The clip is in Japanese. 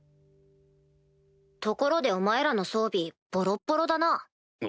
ところでお前らの装備ボロッボロだな。